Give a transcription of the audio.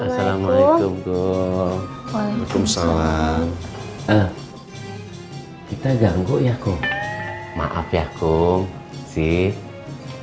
assalamualaikum waalaikumsalam kita ganggu ya kung maaf ya kung sih kalau gitu saya pulang dulu ya sama jenifer